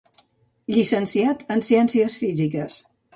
Llicenciat en ciències físiques.